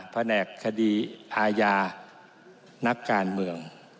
แผนกคดีอาญานักการเมือง